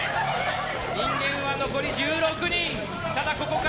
人間は残り１６人。